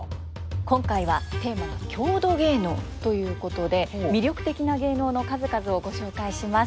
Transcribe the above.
今回はテーマが「郷土芸能」ということで魅力的な芸能の数々をご紹介します。